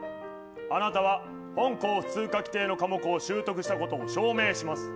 あなたは本校、普通科規定の科目を習得したことを証明します。